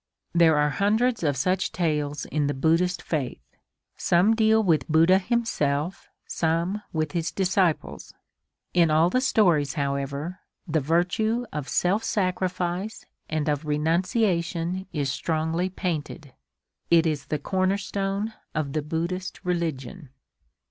There are hundreds of such tales in the Buddhist faith. Some deal with Buddha himself; some with his disciples. In all the stories, however, the virtue of self sacrifice and of renunciation is strongly painted. It is the cornerstone of the Buddhist religion.